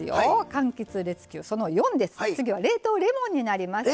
かんきつレスキュー・その４次は冷凍レモンになります。